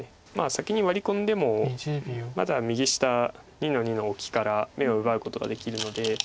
先にワリ込んでもまだ右下２の二のオキから眼を奪うことができるので。